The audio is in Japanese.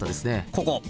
ここ！